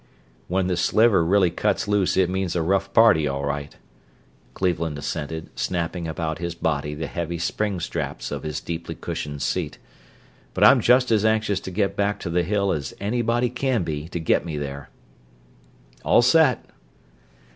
"When the Sliver really cuts loose it means a rough party, all right," Cleveland assented, snapping about his body the heavy spring straps of his deeply cushioned seat, "but I'm just as anxious to get back to the Hill as anybody can be to get me there. All set."